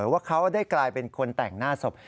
ว่าเขาได้กลายเป็นคนแต่งหน้าศพ